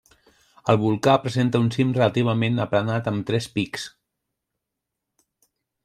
El volcà presenta un cim relativament aplanat amb tres pics.